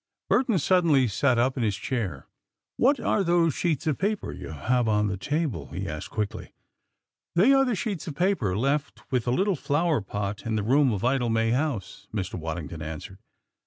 Burton suddenly sat up in his chair. "What are those sheets of paper you have on the table?" he asked quickly. "They are the sheets of paper left with the little flower pot in the room of Idlemay House," Mr. Waddington answered.